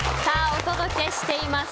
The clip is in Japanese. お届けしています